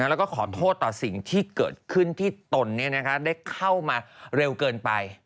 แล้วก็ขอโทษต่อสิ่งที่เกิดขึ้นที่ตนได้เข้ามาเร็วเกินไป